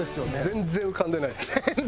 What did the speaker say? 「全然浮かんでない」。